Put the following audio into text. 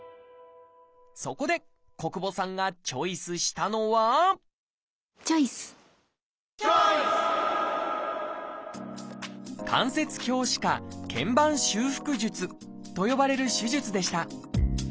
そこで小久保さんがチョイスしたのはチョイス！と呼ばれる手術でした。